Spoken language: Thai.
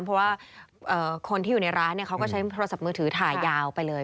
เพราะว่าคนที่อยู่ในร้านเขาก็ใช้โทรศัพท์มือถือถ่ายยาวไปเลย